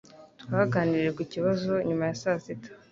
Twaganiriye ku kibazo nyuma ya saa sita